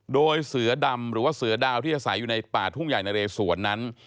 โดยเสือดำหรือว่าเสือดาวที่อาศัยอยู่ในป่าทุ่งใหญ่นะเรสวนนั้น